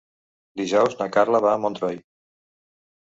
Dijous na Carla va a Montroi.